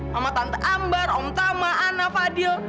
mama tante ambar om tama ana fadil